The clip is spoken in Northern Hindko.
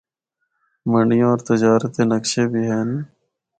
منڈیاں ہور تجارت دے نقشے بھی ہن۔